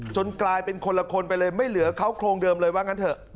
กลายเป็นคนละคนไปเลยไม่เหลือเขาโครงเดิมเลยว่างั้นเถอะ